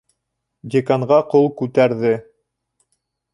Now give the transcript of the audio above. Деканға ҡул күтәрҙе!